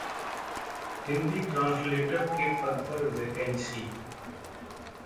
Hindi translator के पद पर वैकेंसी